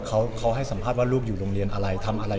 เขาให้สัมภาษณ์ว่าลูกอยู่โรงเรียนอะไรทำอะไร